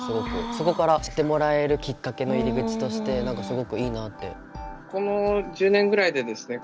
そこから知ってもらえるきっかけの入り口として何かすごくいいなって。